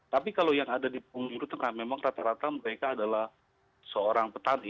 tapi kalau yang ada di punggung tengah memang rata rata mereka adalah seorang petani